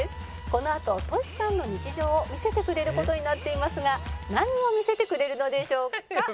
「このあとトシさんの日常を見せてくれる事になっていますが何を見せてくれるのでしょうか？」